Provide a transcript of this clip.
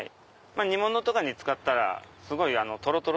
煮物とかに使ったらすごいとろとろ。